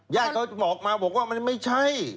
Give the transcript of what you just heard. ญาติเขาบอกมาบอกว่ามันไม่ใช่